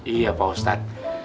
iya pak ustadz